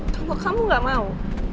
kalau kamu nggak mau